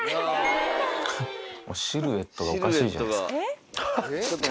シルエットがおかしいじゃないですか、ちょっと。